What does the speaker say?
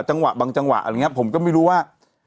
จังหวะบางจังหวะมันก็ไม่รู้ว่า